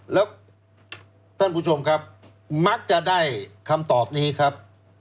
แล้วท่านผู้ชมครับมักจะได้คำตอบนี้ครับ